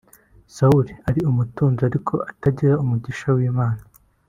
Sawuli ari umutunzi ariko atagira umugisha w’Imana